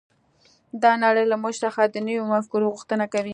دا نړۍ له موږ څخه د نويو مفکورو غوښتنه کوي.